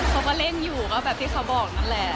เขาก็เล่นอยู่ก็แบบที่เขาบอกนั่นแหละ